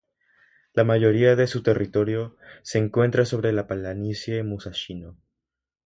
La mayoría de su territorio se encuentra sobre la planicie Musashino.